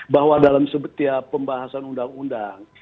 bahwa dalam setiap pembahasan undang undang